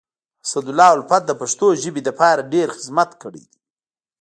اسدالله الفت د پښتو ژبي لپاره ډير خدمت کړی دی.